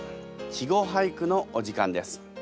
「稚語俳句」のお時間です。